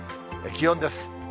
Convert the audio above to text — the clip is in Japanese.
気温です。